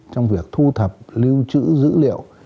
trong việc thu thập lưu trữ dữ liệu